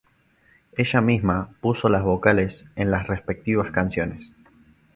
Ella misma puso las vocales en las respectivas canciones.